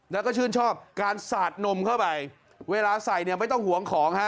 แล้วก็ชื่นชอบการสาดนมเข้าไปเวลาใส่เนี่ยไม่ต้องห่วงของฮะ